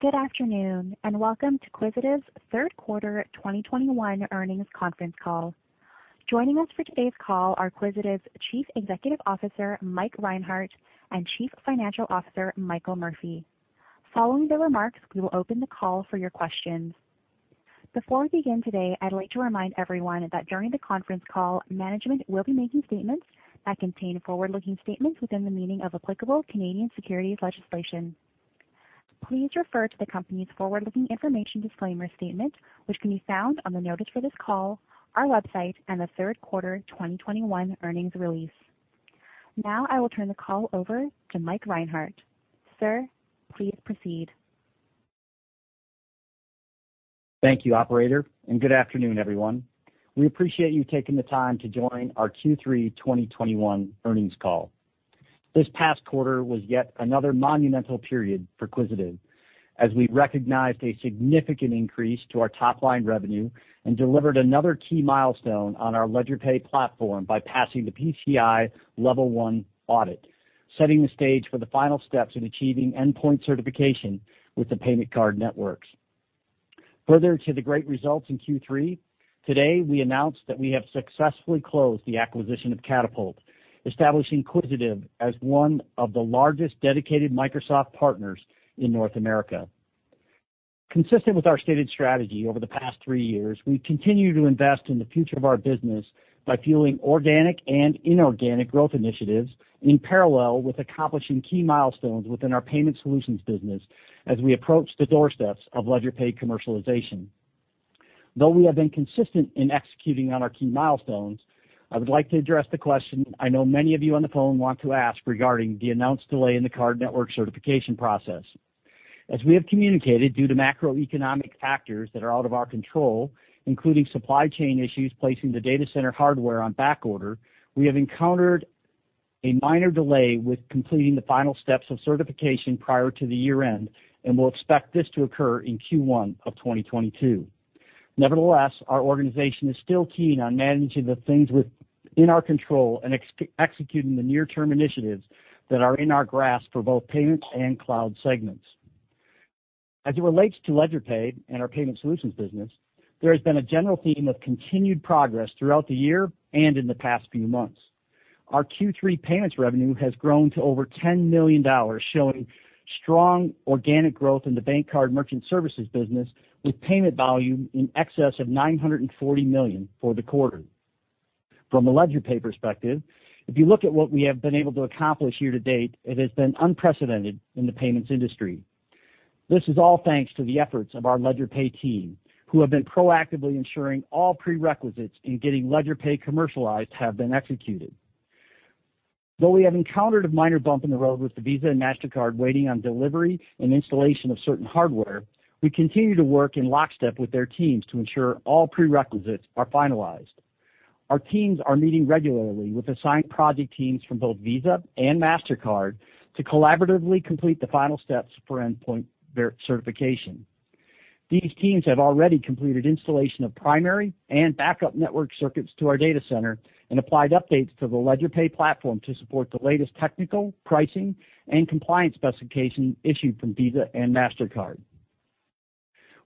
Good afternoon, and welcome to Quisitive's third quarter 2021 earnings conference call. Joining us for today's call are Quisitive's Chief Executive Officer, Mike Reinhart, and Chief Financial Officer, Michael Murphy. Following their remarks, we will open the call for your questions. Before we begin today, I'd like to remind everyone that during the conference call, management will be making statements that contain forward-looking statements within the meaning of applicable Canadian securities legislation. Please refer to the company's forward-looking information disclaimer statement, which can be found on the notice for this call, our website and the third quarter 2021 earnings release. Now I will turn the call over to Mike Reinhart. Sir, please proceed. Thank you, operator, and good afternoon, everyone. We appreciate you taking the time to join our Q3 2021 earnings call. This past quarter was yet another monumental period for Quisitive as we recognized a significant increase to our top-line revenue and delivered another key milestone on our LedgerPay platform by passing the PCI Level one audit, setting the stage for the final steps in achieving endpoint certification with the payment card networks. Further to the great results in Q3, today we announced that we have successfully closed the acquisition of Catapult, establishing Quisitive as one of the largest dedicated Microsoft partners in North America. Consistent with our stated strategy over the past three years, we continue to invest in the future of our business by fueling organic and inorganic growth initiatives in parallel with accomplishing key milestones within our payment solutions business as we approach the doorsteps of LedgerPay commercialization. Though we have been consistent in executing on our key milestones, I would like to address the question I know many of you on the phone want to ask regarding the announced delay in the card network certification process. As we have communicated due to macroeconomic factors that are out of our control, including supply chain issues, placing the data center hardware on backorder, we have encountered a minor delay with completing the final steps of certification prior to the year end, and we'll expect this to occur in Q1 of 2022. Nevertheless, our organization is still keen on managing the things within our control and executing the near-term initiatives that are in our grasp for both payments and cloud segments. As it relates to LedgerPay and our payment solutions business, there has been a general theme of continued progress throughout the year and in the past few months. Our Q3 payments revenue has grown to over $10 million, showing strong organic growth in the bank card merchant services business, with payment volume in excess of $940 million for the quarter. From a LedgerPay perspective, if you look at what we have been able to accomplish year to date, it has been unprecedented in the payments industry. This is all thanks to the efforts of our LedgerPay team, who have been proactively ensuring all prerequisites in getting LedgerPay commercialized have been executed. Though we have encountered a minor bump in the road with the Visa and Mastercard waiting on delivery and installation of certain hardware, we continue to work in lockstep with their teams to ensure all prerequisites are finalized. Our teams are meeting regularly with assigned project teams from both Visa and Mastercard to collaboratively complete the final steps for endpoint verification certification. These teams have already completed installation of primary and backup network circuits to our data center and applied updates to the LedgerPay platform to support the latest technical, pricing, and compliance specifications issued from Visa and Mastercard.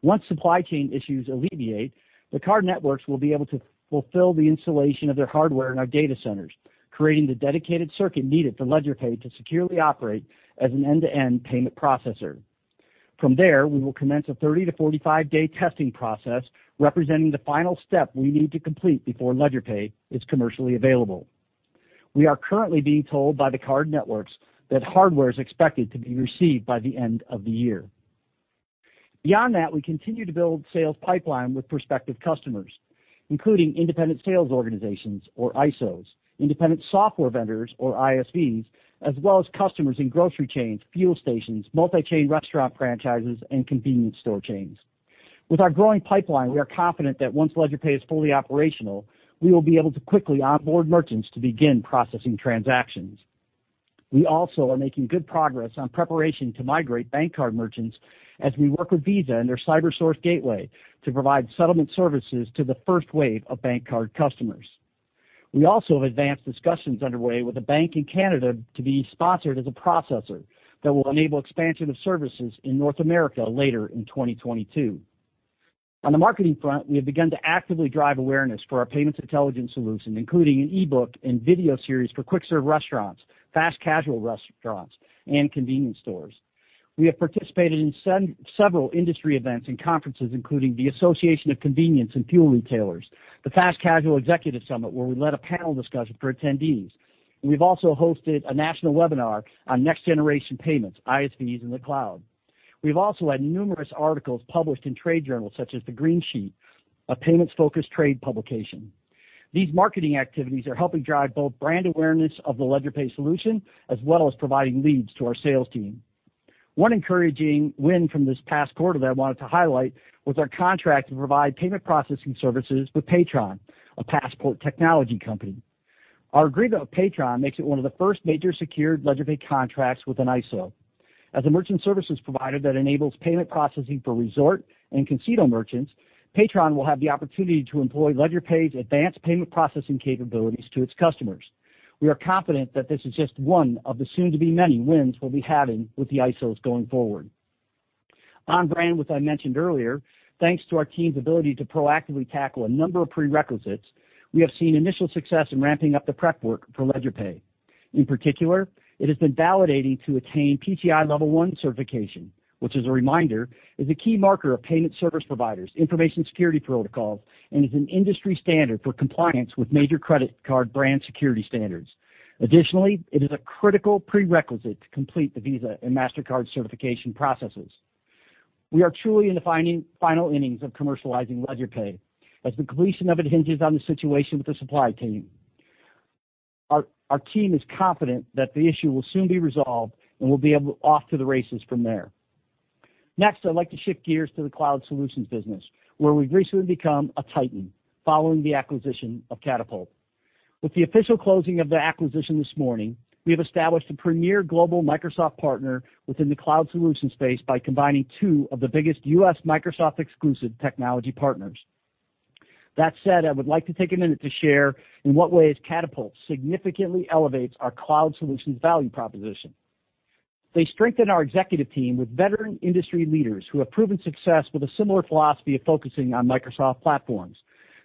Once supply chain issues alleviate, the card networks will be able to fulfill the installation of their hardware in our data centers, creating the dedicated circuit needed for LedgerPay to securely operate as an end-to-end payment processor. From there, we will commence a 30-45-day testing process, representing the final step we need to complete before LedgerPay is commercially available. We are currently being told by the card networks that hardware is expected to be received by the end of the year. Beyond that, we continue to build sales pipeline with prospective customers, including independent sales organizations or ISOs, independent software vendors or ISVs, as well as customers in grocery chains, fuel stations, multi-chain restaurant franchises, and convenience store chains. With our growing pipeline, we are confident that once LedgerPay is fully operational, we will be able to quickly onboard merchants to begin processing transactions. We also are making good progress on preparation to migrate BankCard merchants as we work with Visa and their CyberSource gateway to provide settlement services to the first wave of BankCard customers. We also have advanced discussions underway with a bank in Canada to be sponsored as a processor that will enable expansion of services in North America later in 2022. On the marketing front, we have begun to actively drive awareness for our payments intelligence solution, including an e-book and video series for quick serve restaurants, fast casual restaurants, and convenience stores. We have participated in several industry events and conferences, including the Association of Convenience and Fuel Retailers, the Fast Casual Executive Summit, where we led a panel discussion for attendees. We've also hosted a national webinar on next-generation payments, ISVs in the cloud. We've also had numerous articles published in trade journals such as The Green Sheet, a payments-focused trade publication. These marketing activities are helping drive both brand awareness of the LedgerPay solution, as well as providing leads to our sales team. One encouraging win from this past quarter that I wanted to highlight was our contract to provide payment processing services with Paytron, a Passport Technology company. Our agreement with Paytron makes it one of the first major secured LedgerPay contracts with an ISO. As a merchant services provider that enables payment processing for resort and concession merchants, Paytron will have the opportunity to employ LedgerPay's advanced payment processing capabilities to its customers. We are confident that this is just one of the soon to be many wins we'll be having with the ISOs going forward. OnRamp, as I mentioned earlier, thanks to our team's ability to proactively tackle a number of prerequisites, we have seen initial success in ramping up the prep work for LedgerPay. In particular, it has been validating to attain PCI Level one certification, which as a reminder, is a key marker of payment service providers' information security protocols and is an industry standard for compliance with major credit card brand security standards. Additionally, it is a critical prerequisite to complete the Visa and Mastercard certification processes. We are truly in the final innings of commercializing LedgerPay, as the completion of it hinges on the situation with the supply chain. Our team is confident that the issue will soon be resolved, and we'll be off to the races from there. Next, I'd like to shift gears to the Cloud Solutions business, where we've recently become a titan following the acquisition of Catapult. With the official closing of the acquisition this morning, we have established a premier global Microsoft partner within the cloud solution space by combining two of the biggest U.S. Microsoft exclusive technology partners. That said, I would like to take a minute to share in what ways Catapult significantly elevates our cloud solutions value proposition. They strengthen our executive team with veteran industry leaders who have proven success with a similar philosophy of focusing on Microsoft platforms.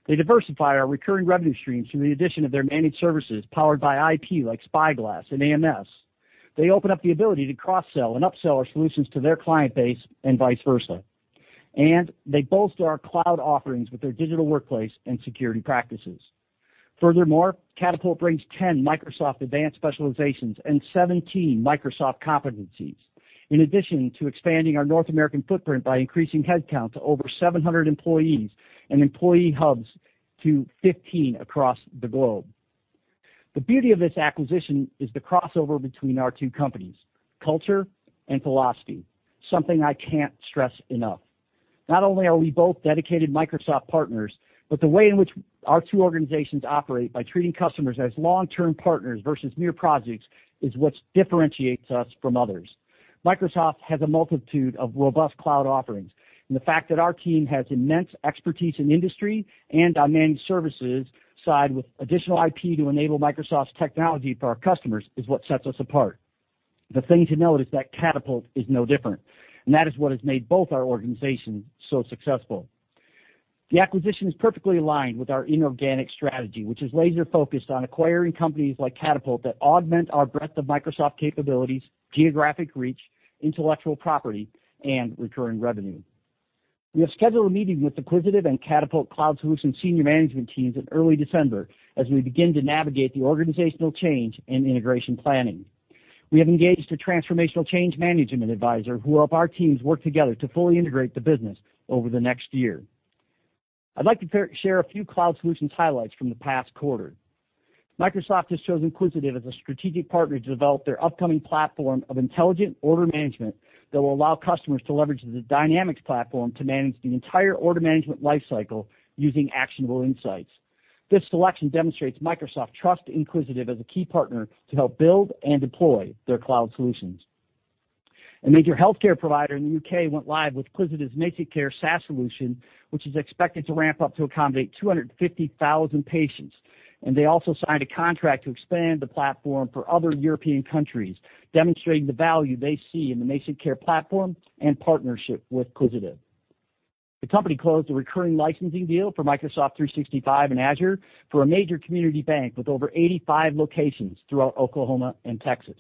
They diversify our recurring revenue streams through the addition of their managed services powered by IP like Spyglass and AMS. They open up the ability to cross-sell and upsell our solutions to their client base and vice versa. They bolster our cloud offerings with their digital workplace and security practices. Furthermore, Catapult brings 10 Microsoft advanced specializations and 17 Microsoft competencies. In addition to expanding our North American footprint by increasing headcount to over 700 employees and employee hubs to 15 across the globe. The beauty of this acquisition is the crossover between our two companies, culture and philosophy, something I can't stress enough. Not only are we both dedicated Microsoft partners, but the way in which our two organizations operate by treating customers as long-term partners versus mere projects is what differentiates us from others. Microsoft has a multitude of robust cloud offerings, and the fact that our team has immense expertise in industry and our managed services side with additional IP to enable Microsoft's technology for our customers is what sets us apart. The thing to note is that Catapult is no different, and that is what has made both our organizations so successful. The acquisition is perfectly aligned with our inorganic strategy, which is laser-focused on acquiring companies like Catapult that augment our breadth of Microsoft capabilities, geographic reach, intellectual property, and recurring revenue. We have scheduled a meeting with the Quisitive and Catapult Cloud Solutions senior management teams in early December as we begin to navigate the organizational change and integration planning. We have engaged a transformational change management advisor who will help our teams work together to fully integrate the business over the next year. I'd like to share a few cloud solutions highlights from the past quarter. Microsoft has chosen Quisitive as a strategic partner to develop their upcoming platform of intelligent order management that will allow customers to leverage the Dynamics platform to manage the entire order management life cycle using actionable insights. This selection demonstrates Microsoft trusts Quisitive as a key partner to help build and deploy their cloud solutions. A major healthcare provider in the U.K. went live with Quisitive's MazikCare SaaS solution, which is expected to ramp up to accommodate 250,000 patients, and they also signed a contract to expand the platform for other European countries, demonstrating the value they see in the MazikCare platform and partnership with Quisitive. The company closed a recurring licensing deal for Microsoft 365 and Azure for a major community bank with over 85 locations throughout Oklahoma and Texas.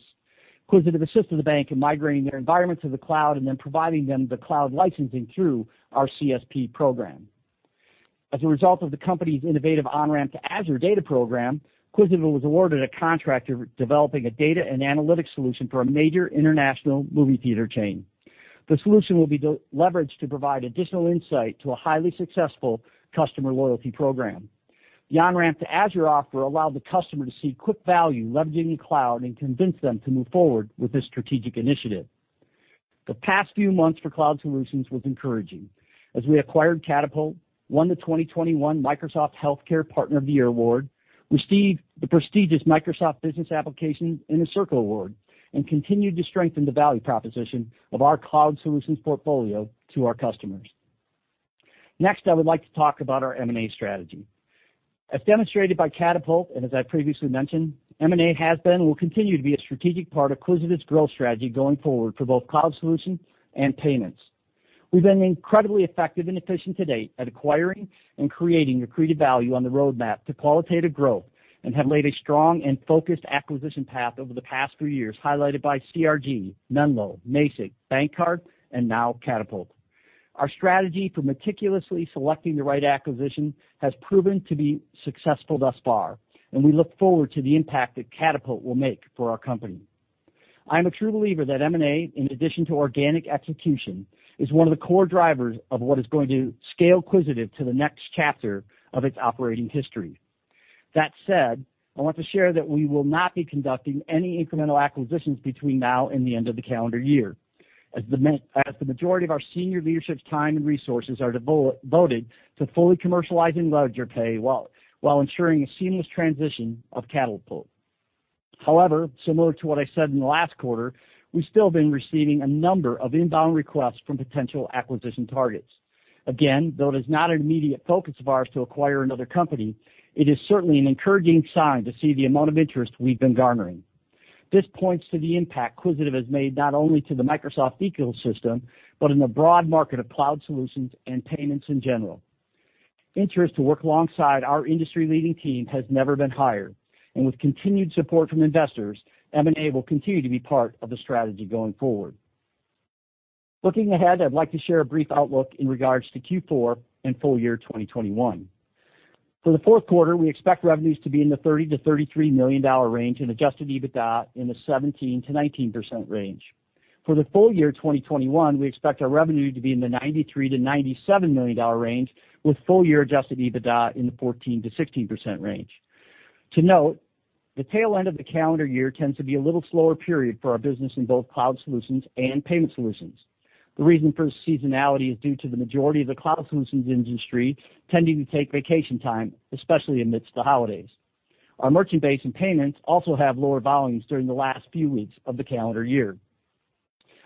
Quisitive assisted the bank in migrating their environment to the cloud and then providing them the cloud licensing through our CSP program. As a result of the company's innovative OnRamp to Azure Data program, Quisitive was awarded a contract to develop a data and analytics solution for a major international movie theater chain. The solution will be leveraged to provide additional insight to a highly successful customer loyalty program. The OnRamp to Azure offer allowed the customer to see quick value leveraging the cloud and convince them to move forward with this strategic initiative. The past few months for Cloud Solutions was encouraging as we acquired Catapult, won the 2021 Microsoft Healthcare Partner of the Year award, received the prestigious Microsoft Business Applications Inner Circle award, and continued to strengthen the value proposition of our Cloud Solutions portfolio to our customers. Next, I would like to talk about our M&A strategy. As demonstrated by Catapult, and as I previously mentioned, M&A has been and will continue to be a strategic part of Quisitive's growth strategy going forward for both Cloud Solutions and Payments. We've been incredibly effective and efficient to date at acquiring and creating accretive value on the roadmap to qualitative growth and have laid a strong and focused acquisition path over the past few years, highlighted by CRG, Menlo, Mazik, BankCard, and now Catapult. Our strategy for meticulously selecting the right acquisition has proven to be successful thus far, and we look forward to the impact that Catapult will make for our company. I'm a true believer that M&A, in addition to organic execution, is one of the core drivers of what is going to scale Quisitive to the next chapter of its operating history. That said, I want to share that we will not be conducting any incremental acquisitions between now and the end of the calendar year, as the majority of our senior leadership's time and resources are devoted to fully commercializing LedgerPay while ensuring a seamless transition of Catapult. However, similar to what I said in the last quarter, we've still been receiving a number of inbound requests from potential acquisition targets. Again, though it is not an immediate focus of ours to acquire another company, it is certainly an encouraging sign to see the amount of interest we've been garnering. This points to the impact Quisitive has made not only to the Microsoft ecosystem, but in the broad market of cloud solutions and payments in general. Interest to work alongside our industry-leading team has never been higher, and with continued support from investors, M&A will continue to be part of the strategy going forward. Looking ahead, I'd like to share a brief outlook in regards to Q4 and full year 2021. For the fourth quarter, we expect revenues to be in the $30 million-$33 million range and adjusted EBITDA in the 17%-19% range. For the full year 2021, we expect our revenue to be in the $93 million-$97 million range, with full year adjusted EBITDA in the 14%-16% range. To note, the tail end of the calendar year tends to be a little slower period for our business in both cloud solutions and payment solutions. The reason for seasonality is due to the majority of the cloud solutions industry tending to take vacation time, especially amidst the holidays. Our merchant base and payments also have lower volumes during the last few weeks of the calendar year.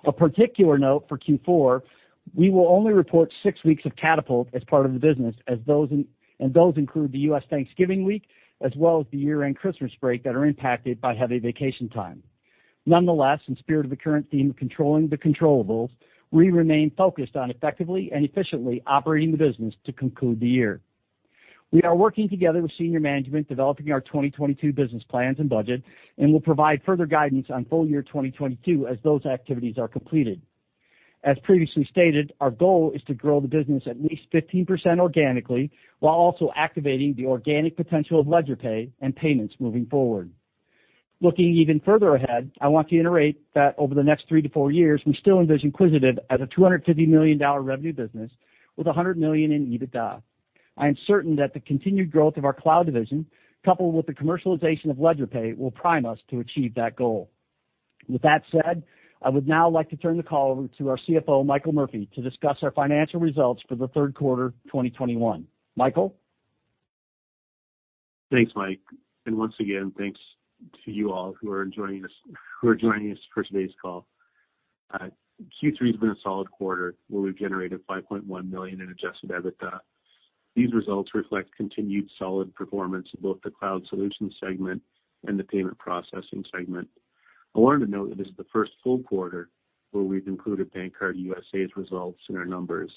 Of particular note for Q4, we will only report six weeks of Catapult as part of the business as those include the U.S. Thanksgiving week as well as the year-end Christmas break that are impacted by heavy vacation time. Nonetheless, in spirit of the current theme of controlling the controllables, we remain focused on effectively and efficiently operating the business to conclude the year. We are working together with senior management, developing our 2022 business plans and budget, and will provide further guidance on full year 2022 as those activities are completed. As previously stated, our goal is to grow the business at least 15% organically while also activating the organic potential of LedgerPay and payments moving forward. Looking even further ahead, I want to iterate that over the next three to four years, we still envision Quisitive as a $250 million revenue business with $100 million in EBITDA. I am certain that the continued growth of our cloud division, coupled with the commercialization of LedgerPay, will prime us to achieve that goal. With that said, I would now like to turn the call over to our CFO, Michael Murphy, to discuss our financial results for the third quarter 2021. Michael? Thanks, Mike, and once again, thanks to you all who are joining us for today's call. Q3 has been a solid quarter where we've generated 5.1 million in adjusted EBITDA. These results reflect continued solid performance of both the cloud solutions segment and the payment processing segment. I wanted to note that this is the first full quarter where we've included BankCard USA's results in our numbers,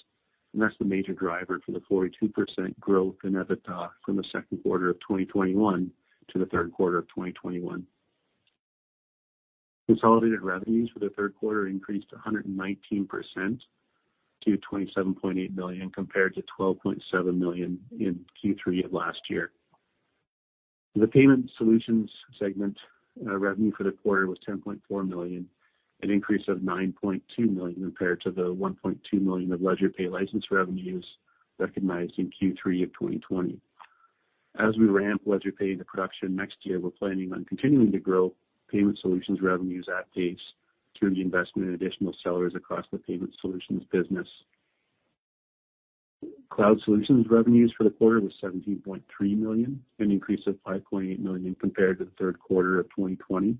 and that's the major driver for the 42% growth in EBITDA from the second quarter of 2021 to the third quarter of 2021. Consolidated revenues for the third quarter increased 119% to 27.8 million, compared to 12.7 million in Q3 of last year. The payment solutions segment revenue for the quarter was $10.4 million, an increase of $9.2 million compared to the $1.2 million of LedgerPay license revenues recognized in Q3 of 2020. As we ramp LedgerPay into production next year, we're planning on continuing to grow payment solutions revenues at pace through the investment in additional sellers across the payment solutions business. Cloud solutions revenues for the quarter was $17.3 million, an increase of $5.8 million compared to the third quarter of 2020.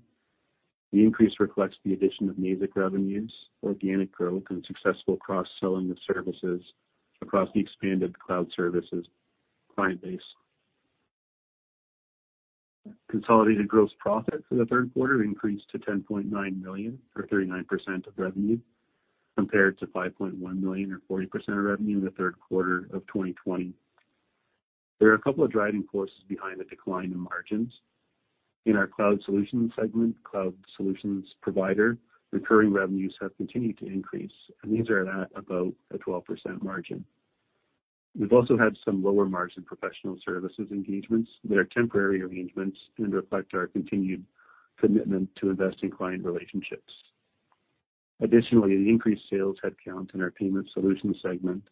The increase reflects the addition of Mazik revenues, organic growth, and successful cross-selling of services across the expanded cloud services client base. Consolidated gross profit for the third quarter increased to 10.9 million or 39% of revenue, compared to 5.1 million or 40% of revenue in the third quarter of 2020. There are a couple of driving forces behind the decline in margins. In our Cloud Solutions segment, Cloud Solutions provider recurring revenues have continued to increase, and these are at about a 12% margin. We've also had some lower margin professional services engagements that are temporary arrangements and reflect our continued commitment to investing in client relationships. Additionally, the increased sales headcount in our Payment Solutions segment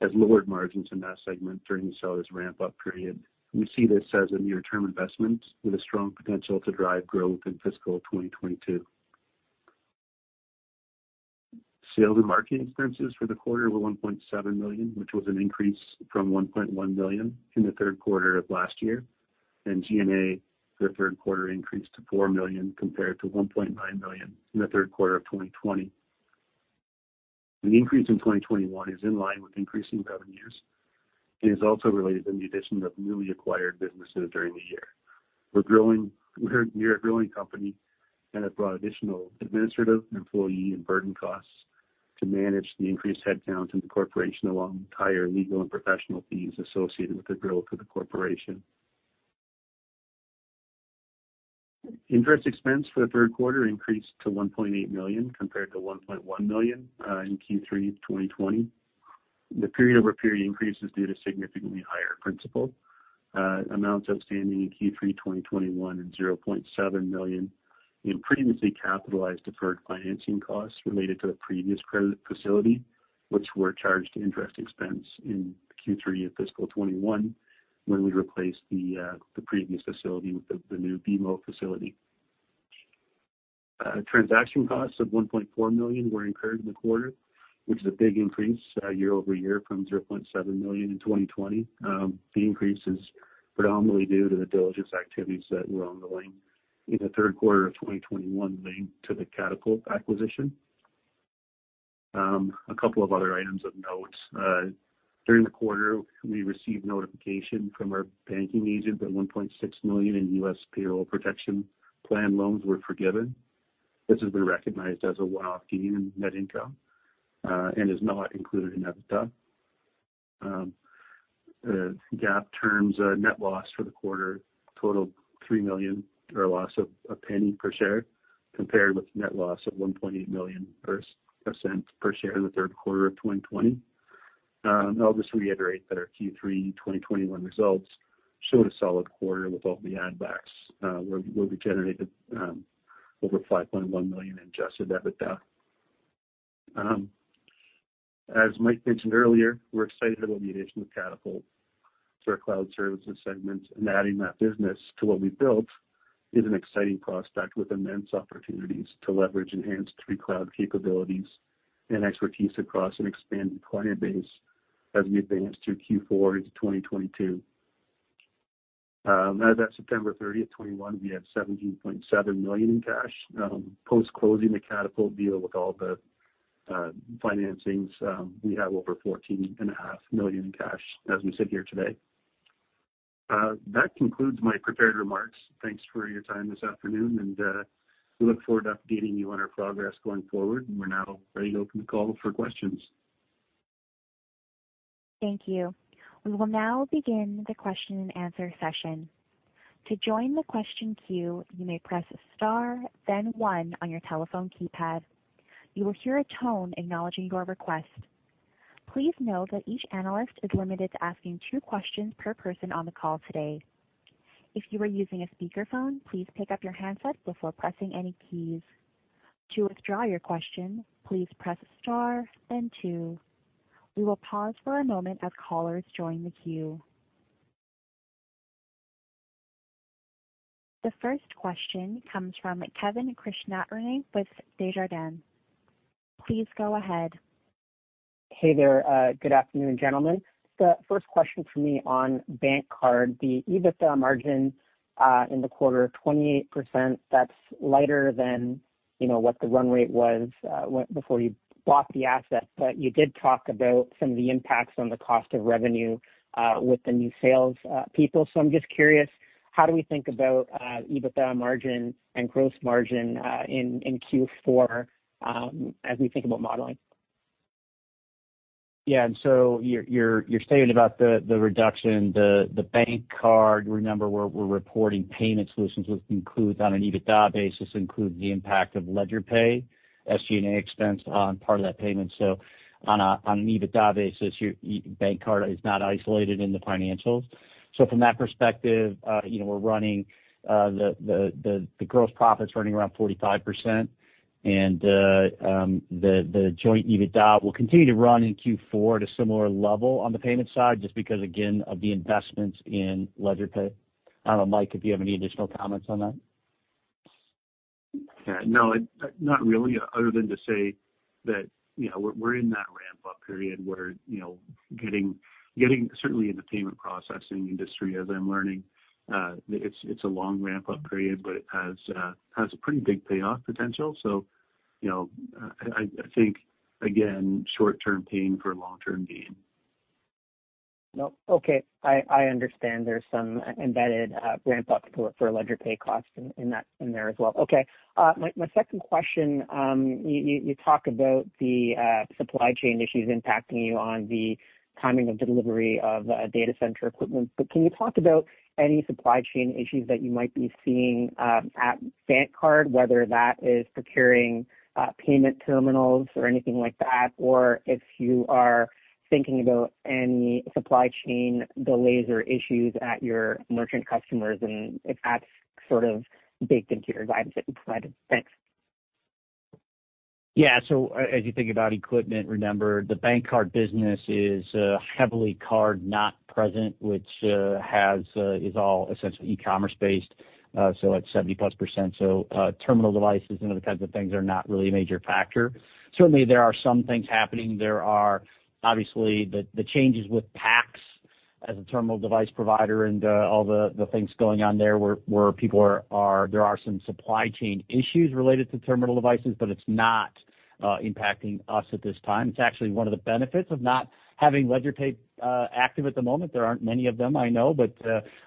has lowered margins in that segment during the sales ramp-up period. We see this as a near-term investment with a strong potential to drive growth in fiscal 2022. Sales and marketing expenses for the quarter were 1.7 million, which was an increase from 1.1 million in the third quarter of last year. G&A for the third quarter increased to 4 million compared to 1.9 million in the third quarter of 2020. An increase in 2021 is in line with increasing revenues and is also related to the addition of newly acquired businesses during the year. We're a growing company and have brought additional administrative, employee, and burden costs to manage the increased headcount in the corporation, along with higher legal and professional fees associated with the growth of the corporation. Interest expense for the third quarter increased to 1.8 million compared to 1.1 million in Q3 2020. The period-over-period increase is due to significantly higher principal amounts outstanding in Q3 2021 and CAD $0.7 million in previously capitalized deferred financing costs related to a previous credit facility, which were charged to interest expense in Q3 of fiscal 2021 when we replaced the previous facility with the new BMO facility. Transaction costs of CAD $1.4 million were incurred in the quarter, which is a big increase year-over-year from CAD $0.7 million in 2020. The increase is predominantly due to the diligence activities that were ongoing in the third quarter of 2021 linked to the Catapult acquisition. A couple of other items of note. During the quarter, we received notification from our banking agent that $1.6 million in U.S. Paycheck Protection Program loans were forgiven. This has been recognized as a one-off gain in net income, and is not included in EBITDA. GAAP terms, net loss for the quarter totaled 3 million or a loss of CAD 0.01 per share, compared with net loss of 1.8 million or CAD 0.01 per share in the third quarter of 2020. I'll just reiterate that our Q3 2021 results showed a solid quarter without the add backs, where we generated over 5.1 million in adjusted EBITDA. As Mike mentioned earlier, we're excited about the addition of Catapult to our cloud services segment, and adding that business to what we built is an exciting prospect with immense opportunities to leverage enhanced 3Cloud capabilities and expertise across an expanded client base as we advance through Q4 into 2022. As at September 30th, 2021, we had 17.7 million in cash. Post-closing the Catapult deal with all the financings, we have over 14.5 million in cash as we sit here today. That concludes my prepared remarks. Thanks for your time this afternoon, and we look forward to updating you on our progress going forward. We're now ready to open the call for questions. Thank you. We will now begin the question-and-answer session. To join the question queue, you may press star then one on your telephone keypad. You will hear a tone acknowledging your request. Please note that each analyst is limited to asking two questions per person on the call today. If you are using a speakerphone, please pick up your handset before pressing any keys. To withdraw your question, please press star then two. We will pause for a moment as callers join the queue. The first question comes from Kevin Krishnaratne with Desjardins. Please go ahead. Hey there. Good afternoon, gentlemen. The first question for me on BankCard, the EBITDA margin in the quarter, 28%, that's lighter than, you know, what the run rate was before you bought the asset. You did talk about some of the impacts on the cost of revenue with the new sales people. I'm just curious, how do we think about EBITDA margin and gross margin in Q4 as we think about modeling? Yeah. You're saying about the reduction, the BankCard. Remember, we're reporting payment solutions, which includes on an EBITDA basis the impact of LedgerPay, SG&A expense on part of that payment. On an EBITDA basis, your BankCard is not isolated in the financials. From that perspective, you know, we're running the gross profit's running around 45%. The joint EBITDA will continue to run in Q4 at a similar level on the payment side, just because, again, of the investments in LedgerPay. I don't know, Mike, if you have any additional comments on that. Yeah. No, not really, other than to say that, you know, we're in that ramp-up period where, you know, getting certainly in the payment processing industry, as I'm learning, it's a long ramp-up period, but it has a pretty big payoff potential. So, you know, I think, again, short-term pain for long-term gain. No. Okay. I understand there's some embedded ramp-up for LedgerPay costs in that in there as well. Okay. My second question, you talk about the supply chain issues impacting you on the timing of delivery of data center equipment. But can you talk about any supply chain issues that you might be seeing at BankCard, whether that is procuring payment terminals or anything like that, or if you are thinking about any supply chain delays or issues at your merchant customers, and if that's sort of baked into your guidance that you provided? Thanks. Yeah. As you think about equipment, remember the BankCard business is heavily card not present, which is all essentially e-commerce based, so it's 70%+. Terminal devices and other types of things are not really a major factor. Certainly, there are some things happening. There are obviously the changes with PAX as a terminal device provider and all the things going on there where people are, there are some supply chain issues related to terminal devices, but it's not impacting us at this time. It's actually one of the benefits of not having LedgerPay active at the moment. There aren't many of them, I know.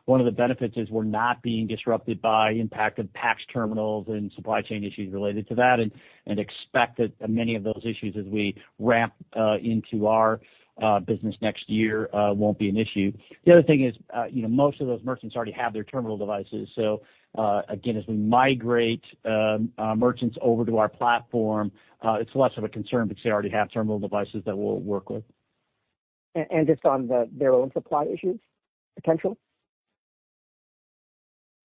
One of the benefits is we're not being disrupted by impact of PAX terminals and supply chain issues related to that and expect that many of those issues as we ramp into our business next year won't be an issue. The other thing is, you know, most of those merchants already have their terminal devices. Again, as we migrate merchants over to our platform, it's less of a concern because they already have terminal devices that we'll work with. Just on their own supply issues potential?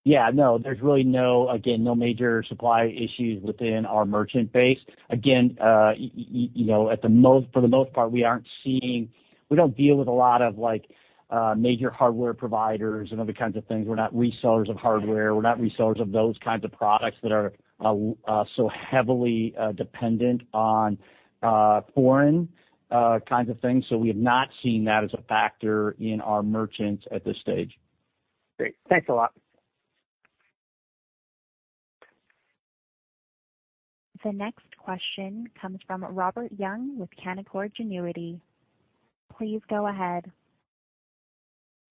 Yeah, no, there's really no, again, no major supply issues within our merchant base. Again, you know, at the most, for the most part, we aren't seeing. We don't deal with a lot of, like, major hardware providers and other kinds of things. We're not resellers of hardware. We're not resellers of those kinds of products that are so heavily dependent on foreign kinds of things. So we have not seen that as a factor in our merchants at this stage. Great. Thanks a lot. The next question comes from Robert Young with Canaccord Genuity. Please go ahead.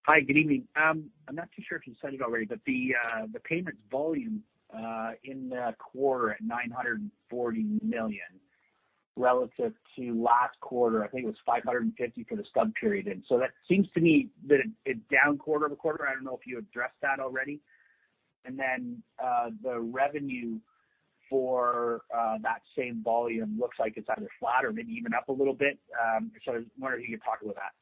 Hi, good evening. I'm not too sure if you said it already, but the payments volume in the quarter at $940 million relative to last quarter, I think it was $550 million for the stub period. That seems to me that a down quarter-over-quarter. I don't know if you addressed that already. The revenue for that same volume looks like it's either flat or maybe even up a little bit. I was wondering if you could talk about that.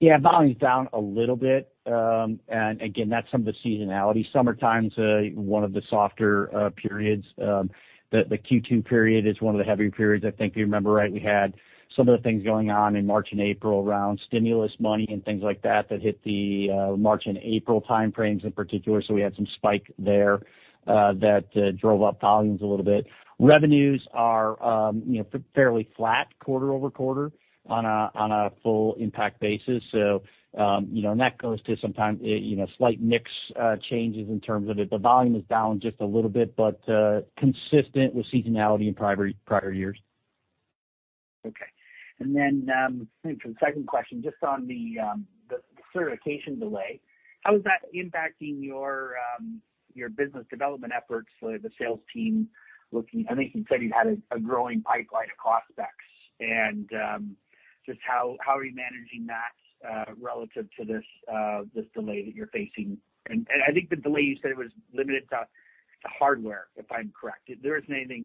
Yeah. Volume's down a little bit. Again, that's some of the seasonality. Summertime's one of the softer periods. The Q2 period is one of the heavier periods. I think if you remember right, we had some of the things going on in March and April around stimulus money and things like that hit the March and April time frames in particular. We had some spike there that drove up volumes a little bit. Revenues are, you know, fairly flat quarter-over-quarter on a full impact basis. You know, and that goes to sometimes, you know, slight mix changes in terms of it. The volume is down just a little bit, but consistent with seasonality in prior years. Okay. I think for the second question, just on the certification delay, how is that impacting your business development efforts for the sales team looking. I think you said you had a growing pipeline of prospects and just how are you managing that relative to this delay that you're facing? I think the delay you said it was limited to hardware, if I'm correct. There isn't anything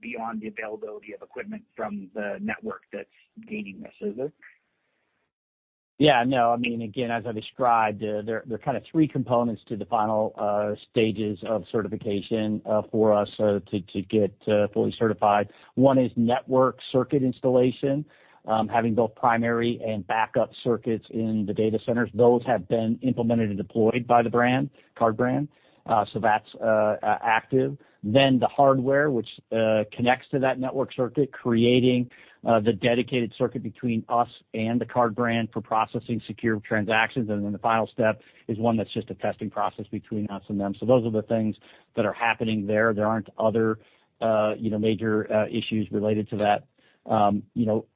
beyond the availability of equipment from the network that's gating this, is it? Yeah, no. I mean, again, as I described, there are kind of three components to the final stages of certification for us to get fully certified. One is network circuit installation, having both primary and backup circuits in the data centers. Those have been implemented and deployed by the card brand. That's active. The hardware which connects to that network circuit, creating the dedicated circuit between us and the card brand for processing secure transactions. The final step is one that's just a testing process between us and them. Those are the things that are happening there. There aren't other major issues related to that. You know,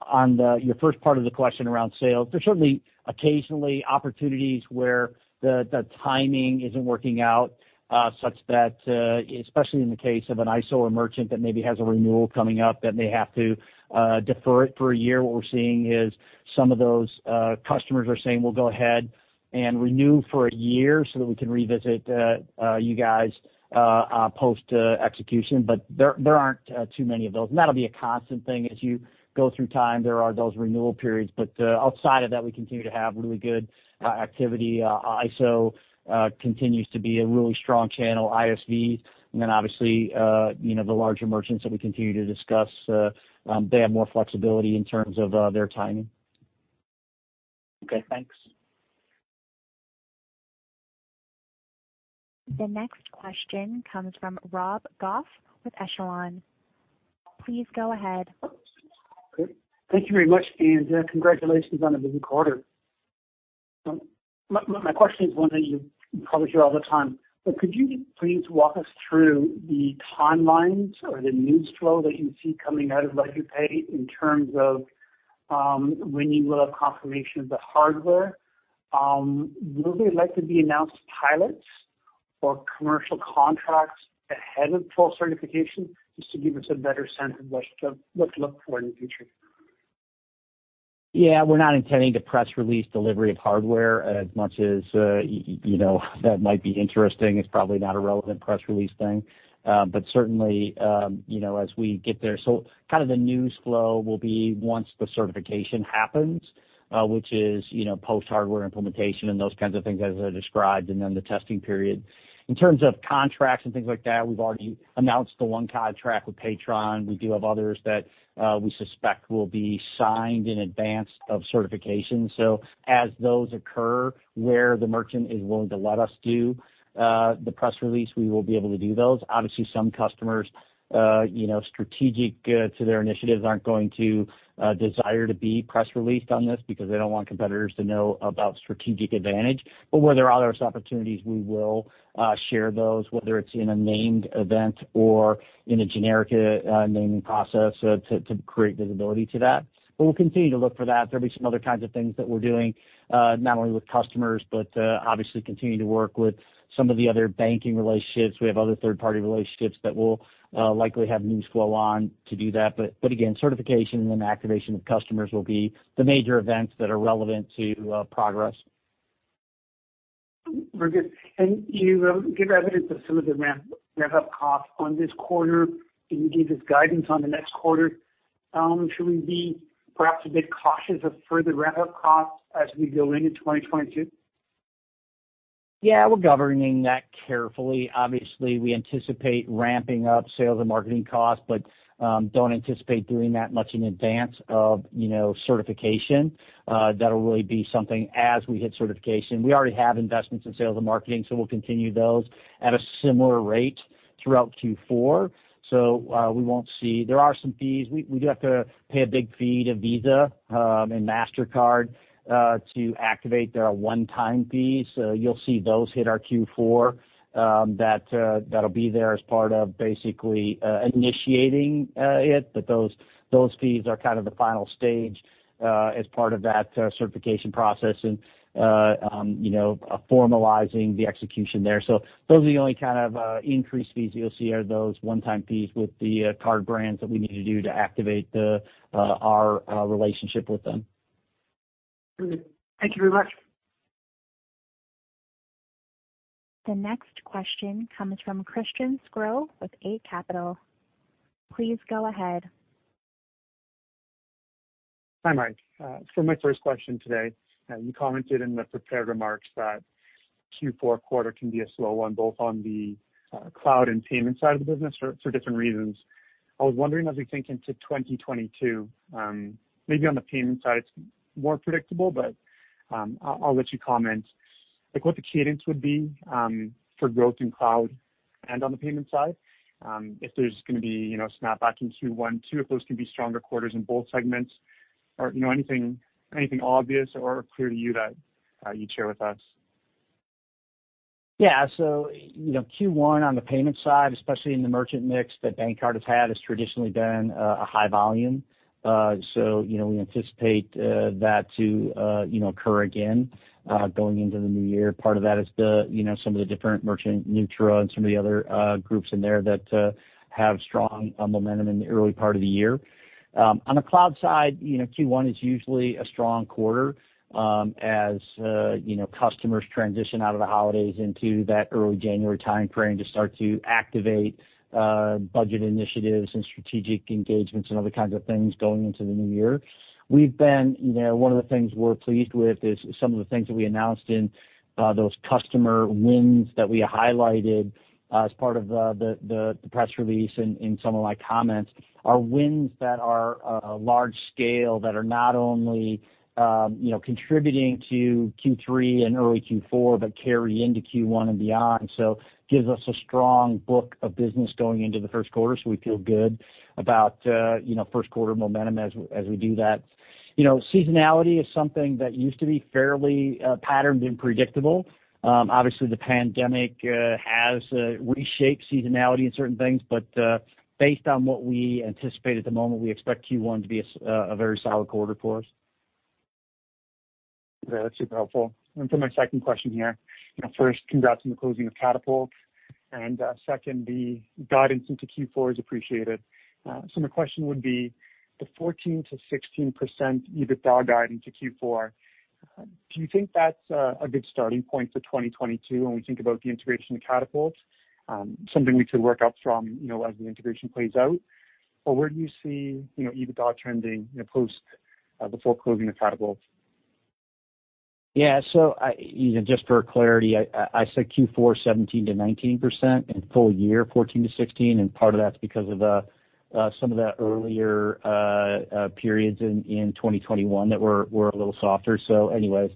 on the first part of the question around sales, there's certainly occasionally opportunities where the timing isn't working out, such that, especially in the case of an ISO or merchant that maybe has a renewal coming up and they have to defer it for a year. What we're seeing is some of those customers are saying, "We'll go ahead and renew for a year so that we can revisit you guys post execution." There aren't too many of those. That'll be a constant thing as you go through time. There are those renewal periods, but outside of that, we continue to have really good activity. ISO continues to be a really strong channel, ISV. Obviously, you know, the larger merchants that we continue to discuss, they have more flexibility in terms of their timing. Okay, thanks. The next question comes from Rob Goff with Echelon. Please go ahead. Thank you very much, and congratulations on a busy quarter. My question is one that you probably hear all the time, but could you please walk us through the timelines or the news flow that you see coming out of Venu Pay in terms of when you will have confirmation of the hardware? Will there likely be announced pilots or commercial contracts ahead of full certification, just to give us a better sense of what to look for in the future? Yeah. We're not intending to press release delivery of hardware as much as, you know, that might be interesting. It's probably not a relevant press release thing. Certainly, you know, as we get there, kind of the news flow will be once the certification happens, which is, you know, post hardware implementation and those kinds of things as I described, and then the testing period. In terms of contracts and things like that, we've already announced the one contract with Paytron. We do have others that, we suspect will be signed in advance of certification. As those occur, where the merchant is willing to let us do, the press release, we will be able to do those. Obviously, some customers, you know, strategic to their initiatives aren't going to desire to be press released on this because they don't want competitors to know about strategic advantage. Where there are those opportunities, we will share those, whether it's in a named event or in a generic naming process to create visibility to that. We'll continue to look for that. There'll be some other kinds of things that we're doing, not only with customers, but obviously continue to work with some of the other banking relationships. We have other third-party relationships that we'll likely have news flow on to do that. Again, certification and then activation of customers will be the major events that are relevant to progress. Very good. You give evidence of some of the ramp-up costs on this quarter. Can you give us guidance on the next quarter? Should we be perhaps a bit cautious of further ramp-up costs as we go into 2022? Yeah, we're governing that carefully. Obviously, we anticipate ramping up sales and marketing costs, but don't anticipate doing that much in advance of, you know, certification. That'll really be something as we hit certification. We already have investments in sales and marketing, so we'll continue those at a similar rate throughout Q4. We won't see. There are some fees. We do have to pay a big fee to Visa and Mastercard to activate. They're a one-time fee, so you'll see those hit our Q4. That'll be there as part of basically initiating it. But those fees are kind of the final stage as part of that certification process and, you know, formalizing the execution there. Those are the only kind of increased fees you'll see are those one-time fees with the card brands that we need to do to activate our relationship with them. Thank you very much. The next question comes from Christian Sgro with Eight Capital. Please go ahead. Hi, Mike. For my first question today, you commented in the prepared remarks that Q4 quarter can be a slow one, both on the cloud and payment side of the business for different reasons. I was wondering, as we think into 2022, maybe on the payment side it's more predictable, but I'll let you comment, like, what the cadence would be for growth in cloud and on the payment side. If there's gonna be, you know, snap back in Q1, Q2, if those can be stronger quarters in both segments, or, you know, anything obvious or clear to you that you'd share with us. Yeah. You know, Q1 on the payment side, especially in the merchant mix that BankCard has had, has traditionally been a high volume. You know, we anticipate that to occur again going into the new year. Part of that is, you know, some of the different merchant nutra and some of the other groups in there that have strong momentum in the early part of the year. On the cloud side, you know, Q1 is usually a strong quarter, as you know, customers transition out of the holidays into that early January time frame to start to activate budget initiatives and strategic engagements and other kinds of things going into the new year. We've been, you know, one of the things we're pleased with is some of the things that we announced in those customer wins that we highlighted as part of the press release in some of my comments are wins that are large scale that are not only you know contributing to Q3 and early Q4 but carry into Q1 and beyond. Gives us a strong book of business going into the first quarter. We feel good about first quarter momentum as we do that. You know, seasonality is something that used to be fairly patterned and predictable. Obviously the pandemic has reshaped seasonality in certain things. Based on what we anticipate at the moment, we expect Q1 to be a very solid quarter for us. Great. That's super helpful. For my second question here, you know, first, congrats on the closing of Catapult. Second, the guidance into Q4 is appreciated. So my question would be the 14%-16% EBITDA guide into Q4, do you think that's a good starting point for 2022 when we think about the integration of Catapult, something we could work up from, you know, as the integration plays out? Or where do you see, you know, EBITDA trending, you know, post-closing the Catapult? Yeah. I, you know, just for clarity, I said Q4 17%-19% and full year 14%-16%. Part of that's because of some of the earlier periods in 2021 that were a little softer. Anyways,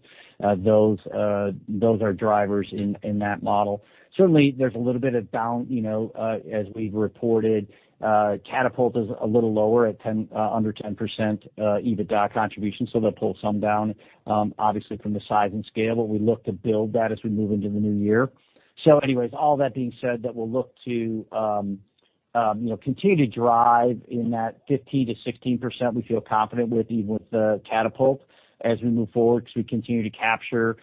those are drivers in that model. Certainly there's a little bit of down, you know, as we've reported, Catapult is a little lower at 10%, under 10% EBITDA contribution, so they'll pull some down, obviously from the size and scale, but we look to build that as we move into the new year. All that being said, we'll look to, you know, continue to drive in that 15%-16% we feel confident with even with the Catapult as we move forward to continue to capture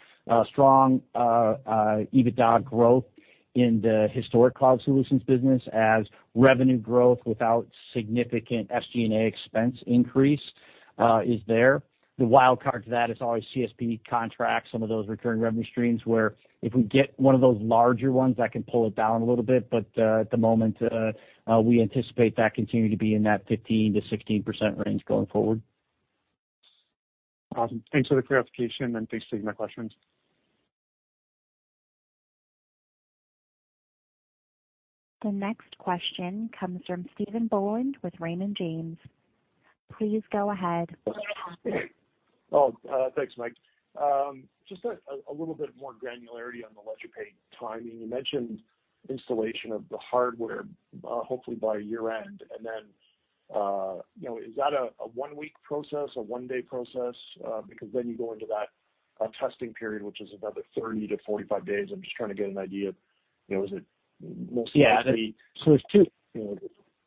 strong EBITDA growth in the historic cloud solutions business as revenue growth without significant SG&A expense increase is there. The wild card to that is always CSP contracts, some of those recurring revenue streams where if we get one of those larger ones that can pull it down a little bit. At the moment, we anticipate that continuing to be in that 15%-16% range going forward. Awesome. Thanks for the clarification and thanks for taking my questions. The next question comes from Stephen Boland with Raymond James. Please go ahead. Thanks, Mike. Just a little bit more granularity on the LedgerPay timing. You mentioned installation of the hardware, hopefully by year-end. Then you know, is that a one-week process, a one-day process? Because then you go into that testing period, which is another 30-45 days. I'm just trying to get an idea of, you know, is it mostly- Yeah,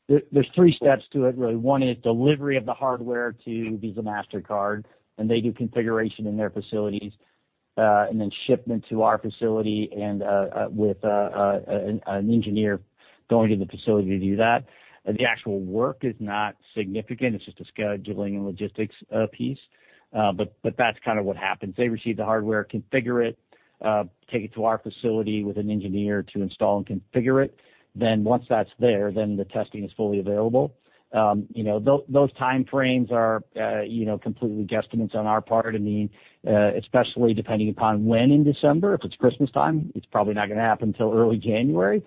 there are three steps to it really. One is delivery of the hardware to Visa, Mastercard, and they do configuration in their facilities, and then shipment to our facility with an engineer going to the facility to do that. The actual work is not significant. It's just a scheduling and logistics piece. But that's kind of what happens. They receive the hardware, configure it. Take it to our facility with an engineer to install and configure it. Once that's there, the testing is fully available. You know, those time frames are, you know, completely guesstimates on our part. I mean, especially depending upon when in December, if it's Christmas time, it's probably not gonna happen till early January.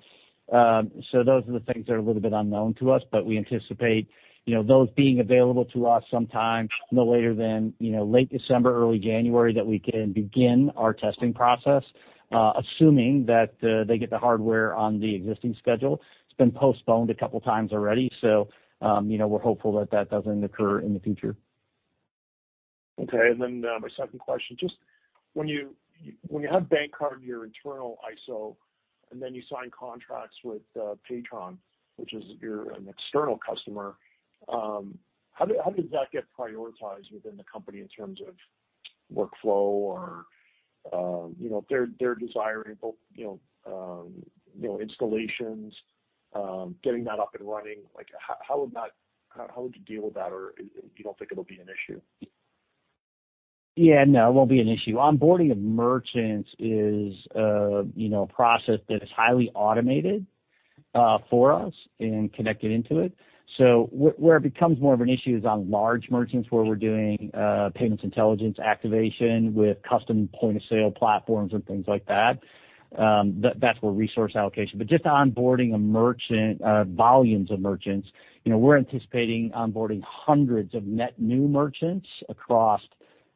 Those are the things that are a little bit unknown to us, but we anticipate, you know, those being available to us sometime no later than, you know, late December, early January, that we can begin our testing process, assuming that they get the hardware on the existing schedule. It's been postponed a couple of times already, you know, we're hopeful that that doesn't occur in the future. Okay. My second question, just when you have BankCard, your internal ISO, and then you sign contracts with Paytron, which is an external customer, how does that get prioritized within the company in terms of workflow or you know their desire to build you know installations getting that up and running? Like how would you deal with that or if you don't think it'll be an issue? Yeah, no, it won't be an issue. Onboarding of merchants is a, you know, a process that is highly automated for us and connected into it. Where it becomes more of an issue is on large merchants where we're doing payments intelligence activation with custom point of sale platforms and things like that. That's where resource allocation. Just onboarding a merchant, volumes of merchants, you know, we're anticipating onboarding hundreds of net new merchants across,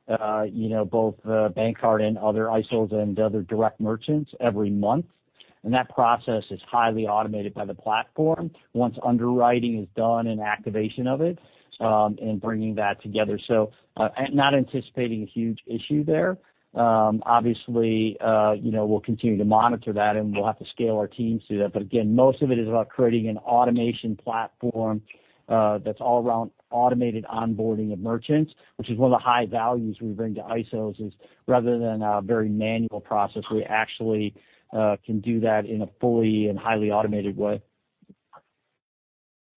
you know, both BankCard and other ISOs and other direct merchants every month. That process is highly automated by the platform once underwriting is done and activation of it, and bringing that together. Not anticipating a huge issue there. Obviously, you know, we'll continue to monitor that, and we'll have to scale our teams to that. Most of it is about creating an automation platform that's all around automated onboarding of merchants, which is one of the high values we bring to ISOs is rather than a very manual process, we actually can do that in a fully and highly automated way.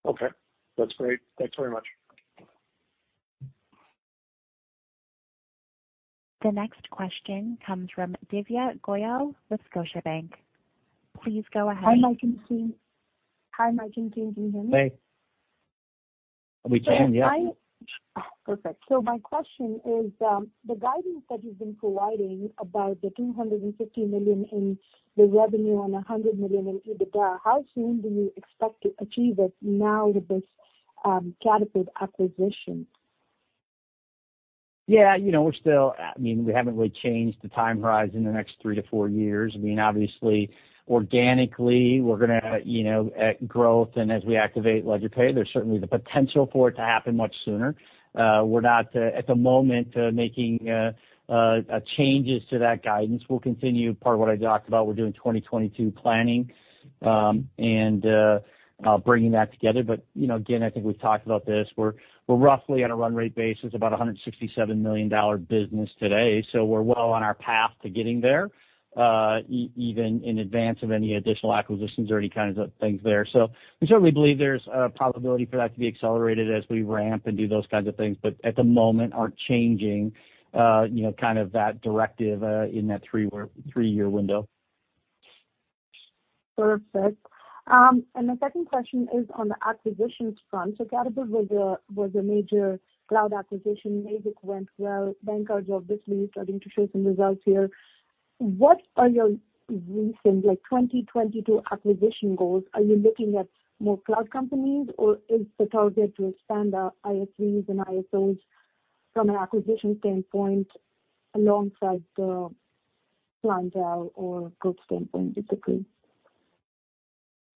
Okay, that's great. Thanks very much. The next question comes from Divya Goyal with Scotiabank. Please go ahead. Hi, Mike and team. Can you hear me? Hey. We can, yeah. Perfect. My question is, the guidance that you've been providing about the 250 million in revenue and 100 million in EBITDA, how soon do you expect to achieve it now with this Catapult acquisition? Yeah, you know, we're still. We haven't really changed the time horizon the next three to four years. I mean, obviously, organically, we're gonna, you know, grow and as we activate LedgerPay, there's certainly the potential for it to happen much sooner. We're not, at the moment, making changes to that guidance. We'll continue part of what I talked about. We're doing 2022 planning and bringing that together. You know, again, I think we've talked about this. We're roughly on a run rate basis about a $167 million business today. We're well on our path to getting there, even in advance of any additional acquisitions or any kinds of things there. We certainly believe there's a probability for that to be accelerated as we ramp and do those kinds of things, but at the moment, we aren't changing, you know, kind of that directive, in that three-year window. Perfect. My second question is on the acquisitions front. Catapult was a major cloud acquisition. Mazik went well. BankCard, obviously, is starting to show some results here. What are your recent 2022 acquisition goals? Are you looking at more cloud companies or is the target to expand ISVs and ISOs from an acquisition standpoint alongside the plan to or growth standpoint, basically?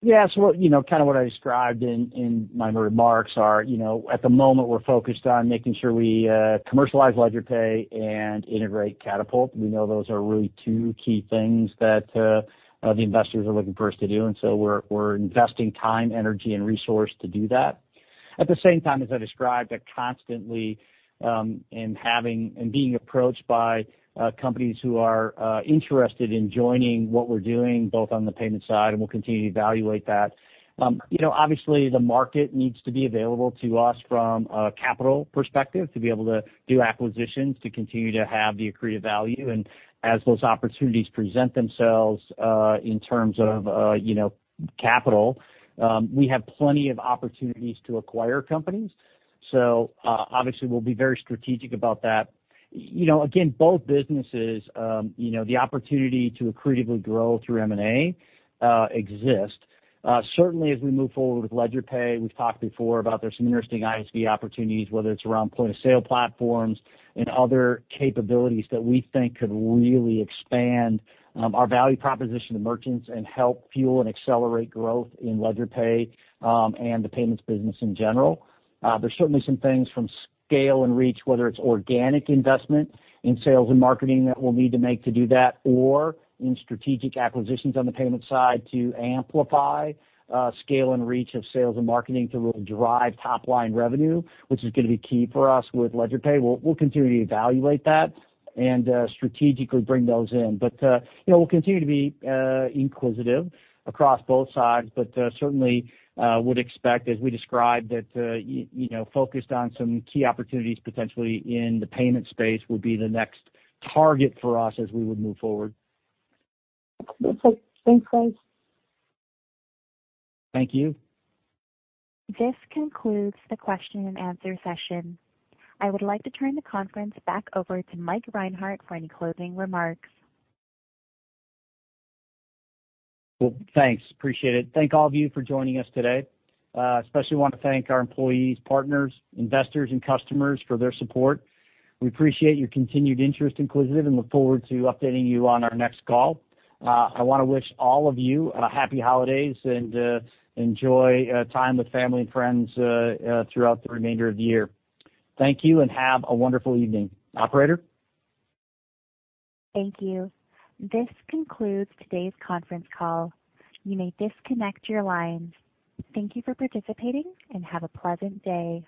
Yes. Well, you know, kind of what I described in my remarks are, you know, at the moment, we're focused on making sure we commercialize LedgerPay and integrate Catapult. We know those are really two key things that the investors are looking for us to do, and so we're investing time, energy and resource to do that. At the same time, as I described, we're constantly being approached by companies who are interested in joining what we're doing both on the payment side, and we'll continue to evaluate that. You know, obviously the market needs to be available to us from a capital perspective to be able to do acquisitions, to continue to have the accretive value. As those opportunities present themselves, in terms of, you know, capital, we have plenty of opportunities to acquire companies. Obviously we'll be very strategic about that. You know, again, both businesses, you know, the opportunity to accretively grow through M&A exist. Certainly as we move forward with LedgerPay, we've talked before about there's some interesting ISV opportunities, whether it's around point of sale platforms and other capabilities that we think could really expand, our value proposition to merchants and help fuel and accelerate growth in LedgerPay, and the payments business in general. There's certainly some things from scale and reach, whether it's organic investment in sales and marketing that we'll need to make to do that or in strategic acquisitions on the payment side to amplify scale and reach of sales and marketing to really drive top-line revenue, which is gonna be key for us with LedgerPay. We'll continue to evaluate that and strategically bring those in. You know, we'll continue to be inquisitive across both sides, but certainly would expect as we described that, you know, focused on some key opportunities potentially in the payment space will be the next target for us as we would move forward. Okay. Thanks, guys. Thank you. This concludes the question and answer session. I would like to turn the conference back over to Mike Reinhart for any closing remarks. Well, thanks, appreciate it. Thank all of you for joining us today. I especially want to thank our employees, partners, investors and customers for their support. We appreciate your continued interest in Quisitive and look forward to updating you on our next call. I wanna wish all of you a happy holidays and enjoy time with family and friends throughout the remainder of the year. Thank you and have a wonderful evening. Operator. Thank you. This concludes today's conference call. You may disconnect your lines. Thank you for participating and have a pleasant day.